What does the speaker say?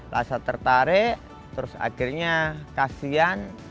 rasa tertarik terus akhirnya kasian